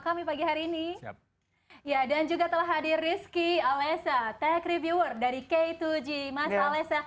kami pagi hari ini ya dan juga telah hadir rizky alessa tech reviewer dari k dua g mas alessa